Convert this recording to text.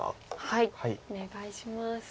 はいお願いします。